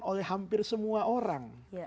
oleh hampir semua orang